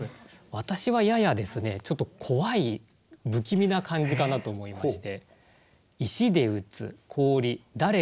私はややですねちょっと怖い不気味な感じかなと思いまして。